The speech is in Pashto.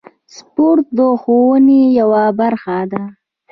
سپورت د ښوونې یوه برخه ده.